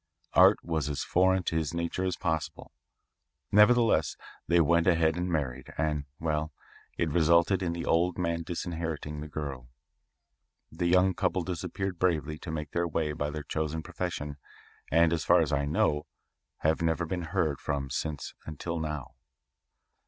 Art was as foreign to his nature as possible.=20 Nevertheless they went ahead and married, and, well, it resulted in the old man disinheriting the girl. The young couple disappeared bravely to make their way by their chosen profession and, as far as I know, have never been heard from since until now.